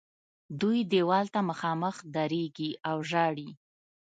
دوی دیوال ته مخامخ درېږي او ژاړي.